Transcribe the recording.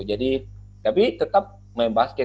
jadi tapi tetap main basket